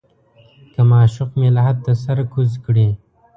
که معشوق مې لحد ته سر کوز کړي.